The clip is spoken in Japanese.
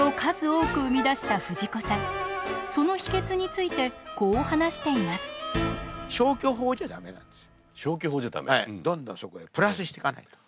その秘けつについてこう話しています。